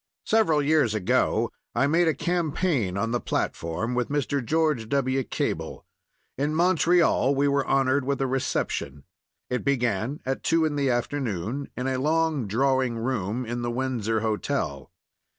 ] Several years ago I made a campaign on the platform with Mr. George W. Cable. In Montreal we were honored with a reception. It began at two in the afternoon in a long drawing room in the Windsor Hotel.